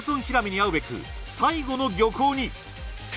ヒラメに会うべく最後の漁港に。